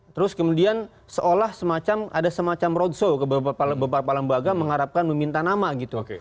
terus kemudian seolah ada semacam roadshow ke beberapa lembaga mengharapkan meminta nama gitu